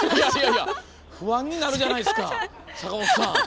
不安になるじゃないですか坂本さん！